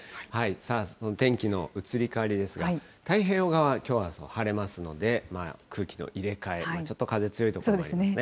さあ、その天気の移り変わりですが、太平洋側、きょうは晴れますので、空気の入れ替えも、ちょっと風の強い所もありますね。